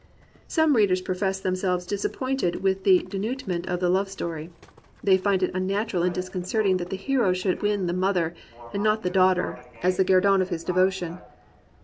Some readers profess themselves disappointed with the denouement of the love story. They find it unnatural and disconcerting that the hero should win the mother and not the daughter as the guer 125 COMPANIONABLE BOOKS don of his devotion.